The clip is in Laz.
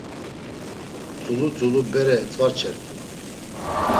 Tzulu tzulu bere etzvarçert̆u.